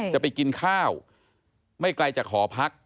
จะไปกินข้าวไม่ไกลจากหอพัก